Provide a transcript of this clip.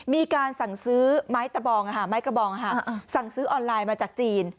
มีการสั่งซื้อไม้ตะบองไม้กระบองสั่งซื้อออนไลน์มาจากจีน